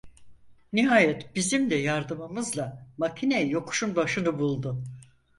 Nihayet bizim de yardımımızla makine yokuşun başını buldu.